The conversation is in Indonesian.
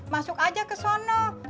masuk aja ke sana